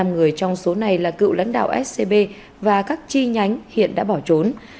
năm người trong số này là cựu lãnh đạo scb và các chi nhánh hiện đã bỏ trốn